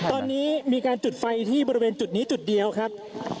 ตอนนี้มีการจุดไฟที่บริเวณจุดนี้จุดเดียวครับ